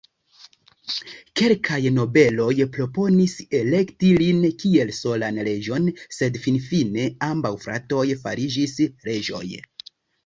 Kelkaj nobeloj proponis elekti lin kiel solan reĝon, sed finfine ambaŭ fratoj fariĝis reĝoj.